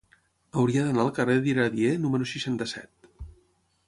Hauria d'anar al carrer d'Iradier número seixanta-set.